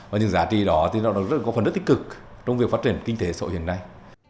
và những giá trị đó thì nó rất là góp phần rất tích cực trong việc phát triển kinh tế sổ hiện nay